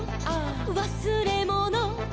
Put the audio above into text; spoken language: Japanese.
「わすれもの」「」